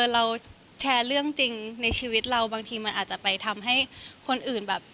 เราแชร์เรื่องจริงในชีวิตเราบางทีมันอาจจะไปทำให้คนอื่นแบบ